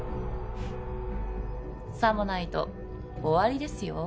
さもないと終わりですよ